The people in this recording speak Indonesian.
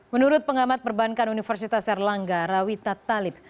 menurut pengamat perbankan universitas erlangga rawita talib